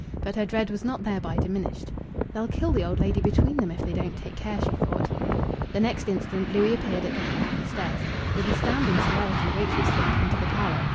But her dread was not thereby diminished. "They'll kill the old lady between them if they don't take care," she thought. The next instant Louis appeared at the head of the stairs. With astounding celerity Rachel slipped into the parlour.